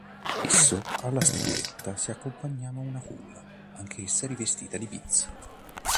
Spesso alla statuetta si accompagna una culla, anch'essa rivestita di pizzo.